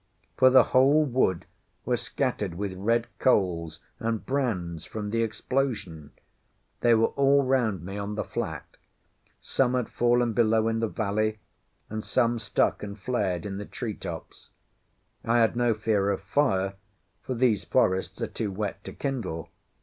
For the whole wood was scattered with red coals and brands from the explosion; they were all round me on the flat; some had fallen below in the valley, and some stuck and flared in the tree tops. I had no fear of fire, for these forests are too wet to kindle.